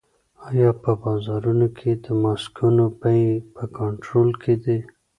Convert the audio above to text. آیا په بازارونو کې د ماسکونو بیې په کنټرول کې دي؟